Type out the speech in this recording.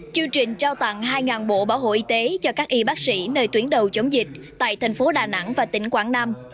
chương trình trao tặng hai bộ bảo hộ y tế cho các y bác sĩ nơi tuyến đầu chống dịch tại thành phố đà nẵng và tỉnh quảng nam